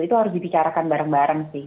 itu harus dibicarakan bareng bareng sih